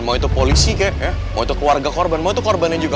mau itu polisi kek ya mau itu keluarga korban mau itu korbannya juga